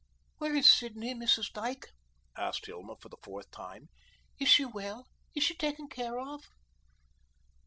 "Where is Sidney, Mrs. Dyke?" asked Hilma for the fourth time. "Is she well? Is she taken care of?"